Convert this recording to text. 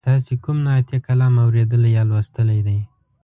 تاسې کوم نعتیه کلام اوریدلی یا لوستلی دی؟